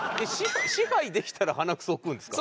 支配できたら鼻くそを食うんですか？